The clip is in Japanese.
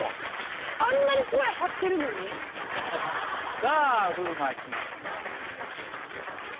さぁ風磨来ました。